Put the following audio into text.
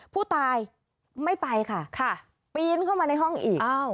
ผู้ตายไม่ไปค่ะปีนเข้ามาในห้องอีก